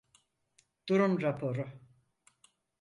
Durum raporu?